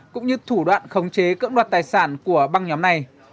cũng như thủ đoạn khống chế cưỡng đoạt tài sản của băng nhóm này